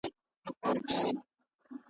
یاران به خوښ وي رقیب له خوار وي .